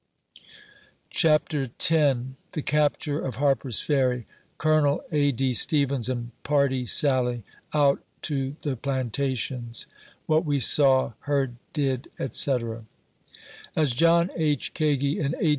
CHAPTER X. THE CAPTURE OF HARPER'S FERRY COL. A. D. STEVENS AND PARTY SALLY OUT TO THE PLANTATIONS — WHAT WE SAW, HEARD, DID, ETC. As John H. Kagi and A.